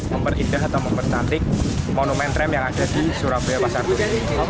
memperindah atau mempercantik monumen tram yang ada di surabaya pasar turi